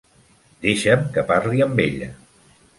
Deixa'm que parli amb ella.